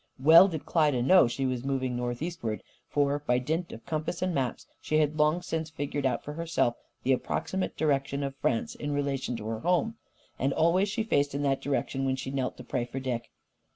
Well did Klyda know she was moving northeastward. For, by dint of compass and maps, she had long since figured out for herself the approximate direction of France in relation to her home. And always she faced in that direction when she knelt to pray for Dick.